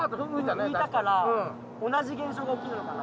浮いたから同じ現象が起きるのかな。